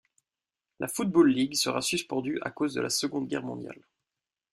La Football League sera suspendu à cause de la Seconde Guerre mondiale.